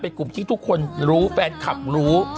เป็นกลุ่มที่ทุกคนรู้แฟนคลับรู้